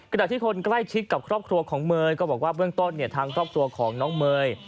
ขณะที่คนใกล้ชิดกับครอบครัวของเมย์ก็บอกว่าเบื้องต้นเนี่ยทางครอบครัวของน้องเมย์